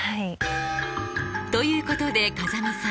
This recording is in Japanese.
ということで風見さん